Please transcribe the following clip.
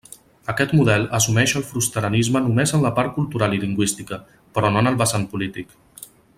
Aquest model assumeix el fusterianisme només en la part cultural i lingüística, però no en el vessant polític.